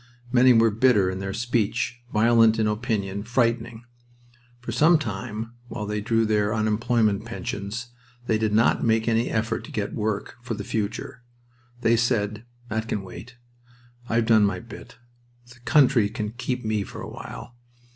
Many were bitter in their speech, violent in opinion, frightening. For some time, while they drew their unemployment pensions, they did not make any effort to get work for the future. They said: "That can wait. I've done my bit. The country can keep me for a while.